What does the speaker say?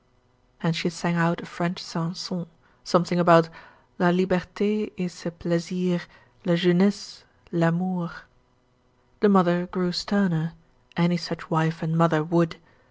And she sang out a French chanson, something about "la liberte et ses plaisirs, la jeunesse, l'amour." The mother grew sterner any such wife and mother would.